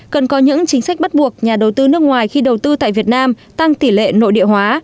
cần có những chính sách bắt buộc nhà đầu tư nước ngoài khi đầu tư tại việt nam tăng tỷ lệ nội địa hóa